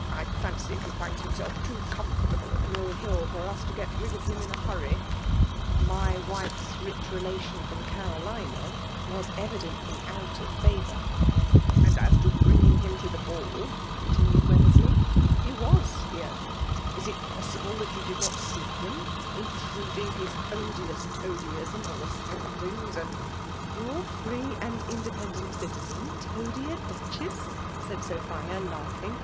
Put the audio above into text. *' I fancy he finds himself too oomfortaUe at MOl urn for us toget rid of hHt in a hnrryJ' C My wife's tdch relation fiom Canlma" uns evidently out of favour.) '' And as to bringing Inm to the ball,'' eoxitin«6d WemiMnby* ''he Mu hoe^ Is it |M>8sible thai ynn did not see ham? intruding ha odioas toadyism on die Spaldings— and "^^ Your free and independeiit eitiaen, toady ADuchessr saadSophHw knghing.